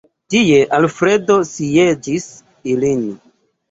Tie Alfredo sieĝis ilin.